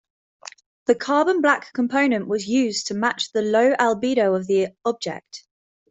The carbon black component was used to match the low albedo of the object.